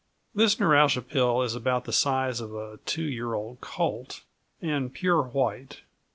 This neuralgia pill is about the size of a two year old colt and pure white.